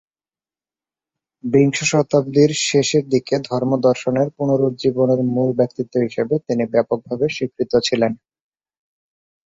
বিংশ শতাব্দীর শেষের দিকে ধর্ম দর্শনের পুনরুজ্জীবনের মূল ব্যক্তিত্ব হিসেবে তিনি ব্যাপকভাবে স্বীকৃত ছিলেন।